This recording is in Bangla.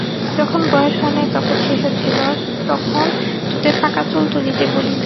যখন বয়স হয় নাই তখন সে-সব ছিল, তখন তোদের পাকা চুল তুলিতে বলিতাম।